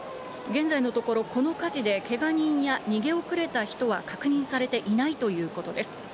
現在のところ、この火事でけが人や逃げ遅れた人は確認されていないということです。